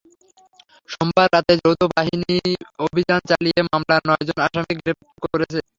সোমবার রাতে যৌথ বাহিনী অভিযান চালিয়ে মামলার নয়জন আসামিকে গ্রেপ্তার করেছে।